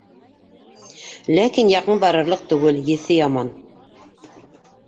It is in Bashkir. Ләкин яҡын барырлыҡ түгел: еҫе яман.